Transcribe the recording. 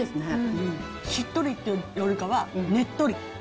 しっとりってよりかは、ねっとり。